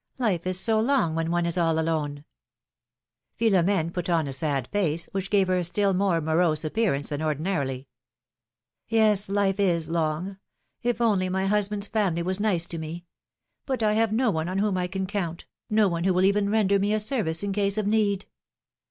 Life is so long when one is all alone Philomene put on a sad face, which gave her a still more morose appearance than ordinarily. ^^Yes, life is long! If only my husbarid^s family was nice to me. But I have no one on whom I can count, no one who will even render me a service in case of need